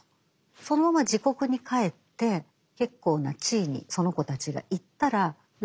そのまま自国に帰って結構な地位にその子たちがいったら楽なんですね。